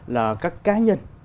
là các cá nhân